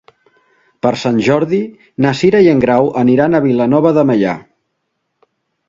Per Sant Jordi na Cira i en Grau aniran a Vilanova de Meià.